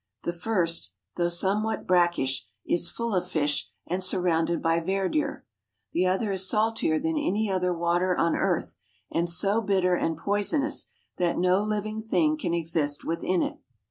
The first, though somewhat brackish, is full of fish and surrounded by verdure. The other is saltier than any other water on earth, and so bitter and poisonous that no living thing can exist within it.